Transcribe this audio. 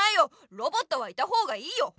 ロボットはいたほうがいいよ！